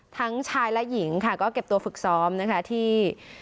ทั้งชายและหญิงค่ะก็เก็บตัวฝึกซ้อมนะคะที่